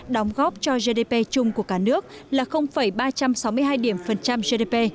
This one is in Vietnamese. đóng góp cho gdp chung của cả nước là ba trăm sáu mươi hai điểm phần trăm gdp